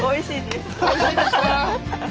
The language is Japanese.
おいしいですか？